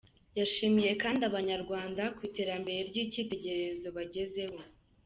Yashimiye kandi Abanyarwanda ku iterambere ry’icyitegererezo bagezeho.